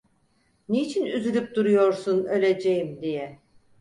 Niçin üzülüp duruyorsun öleceğim diye?